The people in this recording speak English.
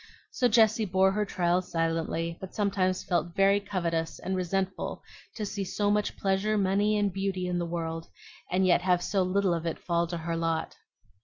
So Jessie bore her trials silently, but sometimes felt very covetous and resentful to see so much pleasure, money, and beauty in the world, and yet have so little of it fall to her lot.